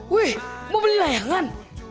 wih mau beli layangan